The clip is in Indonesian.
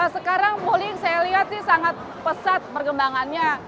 sekarang bowling saya lihat sih sangat pesat pergembangannya